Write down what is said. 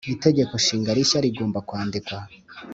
itegeko nshinga rishya rigomba kwandikwa